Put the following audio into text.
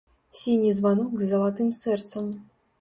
Сіні званок з залатым сэрцам.